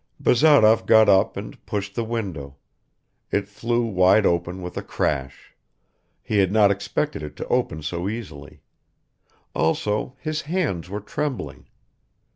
Bazarov got up and pushed the window; it flew wide open with a crash ... he had not expected it to open so easily; also, his hands were trembling.